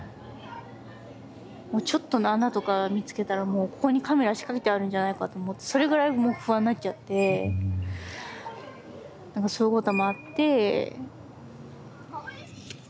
もうちょっとの穴とか見つけたらもうここにカメラ仕掛けてあるんじゃないかと思ってそれぐらいもう不安になっちゃってそういうこともあって。